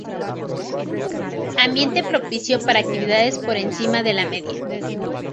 Ambiente propicio para actividades por encima de la media.